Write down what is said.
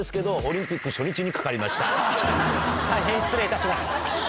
大変失礼いたしました。